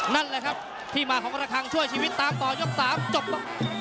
นั่นแหละครับที่มาของระคังช่วยชีวิตตามต่อยก๓จบลง